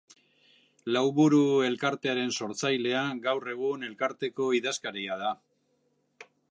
Lauburu elkartearen sortzailea, gaur egun elkarteko idazkaria da.